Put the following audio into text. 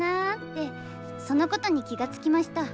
そのことに気が付きました。